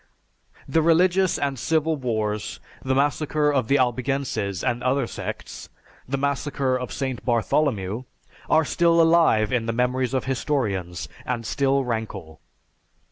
The religious and civil wars, the massacre of the Albigenses and other sects, the Massacre of St. Bartholomew, are still alive in the memories of historians and still rankle.